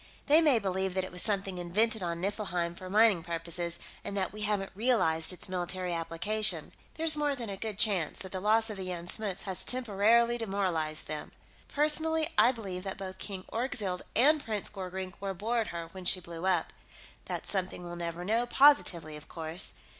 They may believe that it was something invented on Niflheim for mining purposes, and that we haven't realized its military application. There's more than a good chance that the loss of the Jan Smuts has temporarily demoralized them. Personally, I believe that both King Orgzild and Prince Gorkrink were aboard her when she blew up. That's something we'll never know, positively, of course.